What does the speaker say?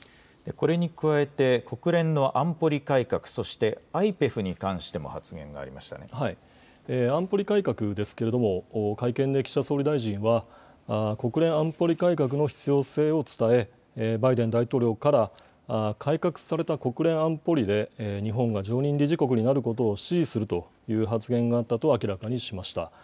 これに加えて、国連の安保理改革、そしてＩＰＥＦに関しても安保理改革ですけれども、会見で岸田総理大臣は、国連安保理改革の必要性を伝え、バイデン大統領から改革された国連安保理で、日本が常任理事国になることを支持するという発言があったと明らかにしました。